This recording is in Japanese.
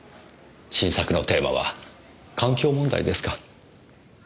新作のテーマは環境問題ですか。